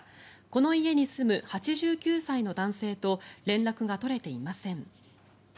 この家に住む８９歳の男性と連絡が取れていません。